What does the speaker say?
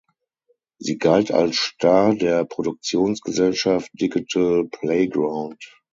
Sie galt als Star der Produktionsgesellschaft Digital Playground.